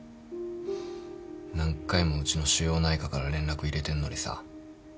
何回もうちの腫瘍内科から連絡入れてんのにさ。